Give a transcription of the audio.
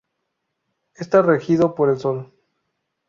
Está regido por el Sol.